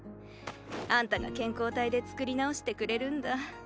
あんたが健康体で作り直してくれるんだ。